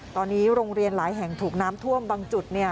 ตอนนี้โรงเรียนหลายแห่งถูกน้ำท่วมบางจุด